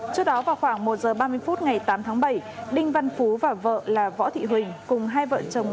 trước đó vào khoảng một giờ ba mươi phút ngày tám tháng bảy đinh văn phú và vợ là võ thị huỳnh cùng hai vợ chồng